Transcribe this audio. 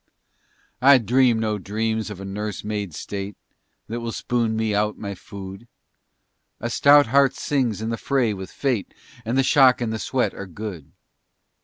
I dream no dreams of a nurse maid state That will spoon me out my food. A stout heart sings in the fray with fate And the shock and sweat are good.